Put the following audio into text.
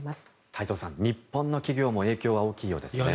太蔵さん、日本の企業も影響は大きいようですね。